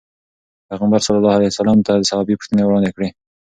پيغمبر صلي الله علیه وسلم ته صحابي پوښتنې وړاندې کړې.